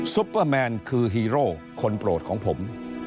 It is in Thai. ซุปเปอร์แมนคือฮีโร่คนโปรดของผม